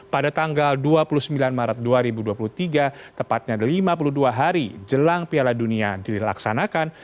pada tanggal dua puluh sembilan maret dua ribu dua puluh tiga tepatnya lima puluh dua hari jelang piala dunia dilaksanakan